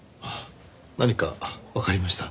何かわかりました？